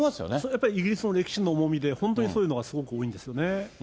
やっぱりイギリスの歴史の重みで、本当にそういうのがすごく多いんですよね。